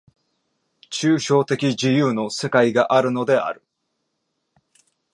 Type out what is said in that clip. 抽象的自由の世界があるのである。